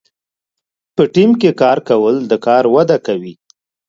په ټیم کې کار کول د کار وده کوي.